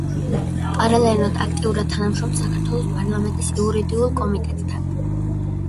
პარალელურად აქტიურად თანამშრომლობს საქართველოს პარლამენტის იურიდიულ კომიტეტთან.